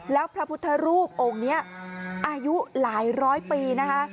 แล้วพระพุทธรูปองค์นี้อายุหลายร้อยปีนะคะ